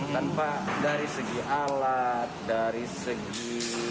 tanpa dari segi alat dari segi